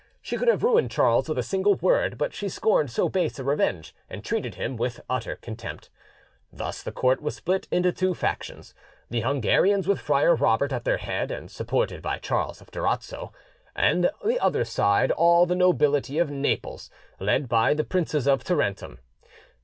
She could have ruined Charles with a single word; but she scorned so base a revenge, and treated him with utter contempt. Thus the court was split into two factions: the Hungarians with Friar Robert at their head and supported by Charles of Durazzo; on the other side all the nobility of Naples, led by the Princes of Tarentum.